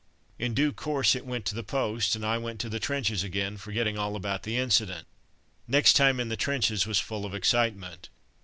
In due course it went to the post, and I went to the trenches again, forgetting all about the incident. Next time in the trenches was full of excitement.